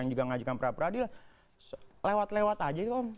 yang juga mengajukan perapradilan lewat lewat aja itu om